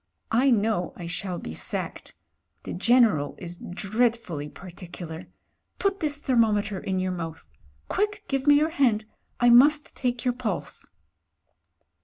I know I shall be sacked. The General is dreadfully particu lar. Put this thermometer in your mouth. Quick, give me your hand — I must take your pulse."